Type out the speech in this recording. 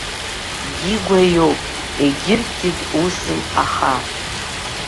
Дигәа иоуп, егьырҭ зегь усым, аха.